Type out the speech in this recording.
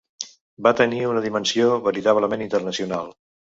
Va tenir una dimensió veritablement internacional.